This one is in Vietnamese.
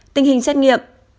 tình hình xét nghiệm